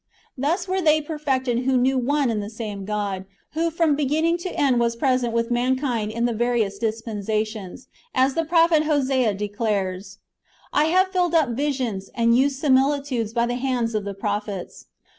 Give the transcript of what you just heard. Thus were they perfected who knew one and the same God, who from beginning to end was present with mankind in the various dispensations ; as the prophet Hosea declares :" I have filled up visions, and used simihtudes by the hands of the prophets."